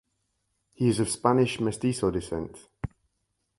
He is of Spanish Mestizo descent.